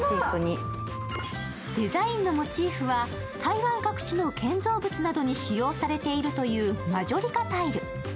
デザインのモチーフは台湾各地の建造物などに使用されているというマジョリカタイル。